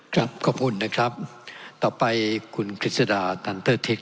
ขอบคุณครับต่อไปคุณกิชสาดาตันทั้งเทพศิษย์